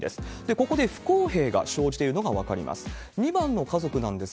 ここで不公平が生じているのが分かります。